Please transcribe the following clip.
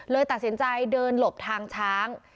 ตัดสินใจเดินหลบทางช้าง